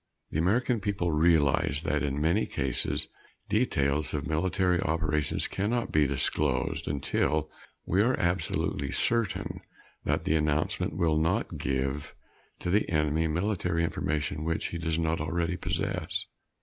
The American people realize that in many cases details of military operations cannot be disclosed until we are absolutely certain that the announcement will not give to the enemy military information which he does not already possess.